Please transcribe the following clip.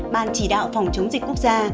ban chỉ đạo phòng chống dịch quốc gia